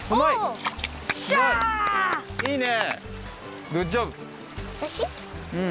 あいいね！